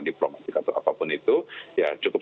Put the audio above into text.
diplomatik atau apapun itu ya cukup